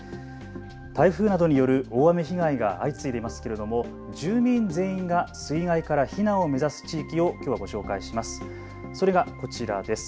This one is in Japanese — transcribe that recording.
台風などによる大雨被害が相次いでいますけれども住民全員が水害から避難を目指す地域をきょう、ご紹介します。